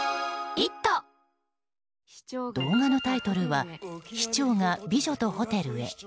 動画のタイトルは「市長が美女とホテルへ」。